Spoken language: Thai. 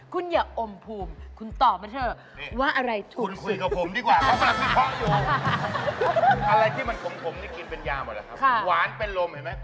คุณอย่าอมภูมิคุณตอบมาเถอะ